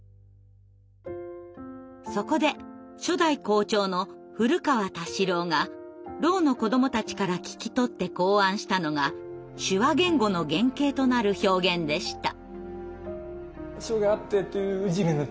そこで初代校長の古河太四郎がろうの子どもたちから聞き取って考案したのが手話言語の原型となる表現でした。